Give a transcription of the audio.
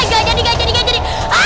gak jadi gak jadi gak jadi